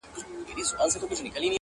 هغه ها ربابي هغه شاعر شرابي!